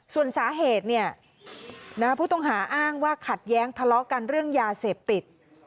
ส่วนสาเหตุผู้ต้องหาอ้างว่าขัดแย้งทะเลาะกันเรื่องยาเสพติด